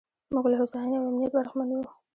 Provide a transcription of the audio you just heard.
موږ له هوساینې او امنیت برخمن یو.